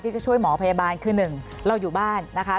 จะช่วยหมอพยาบาลคือ๑เราอยู่บ้านนะคะ